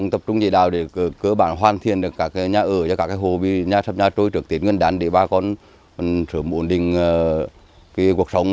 tập trung dạy đào để cơ bản hoàn thiện được các nhà ở và các hồ bị sập nhà trôi trước tiến nguyên đán để bà con sửa mộn đình cuộc sống